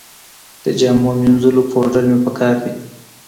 د جامو مینځلو پوډر مې په کار دي